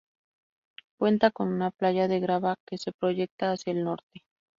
Cuenta con una playa de grava que se proyecta hacia el norte.